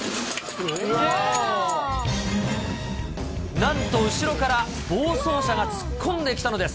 なんと、後ろから暴走車が突っ込んできたのです。